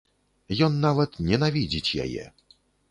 Ён нават ненавідзіць яе.